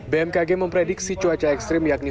bmkg memprediksi cuaca ekstrim yakni hujan lebat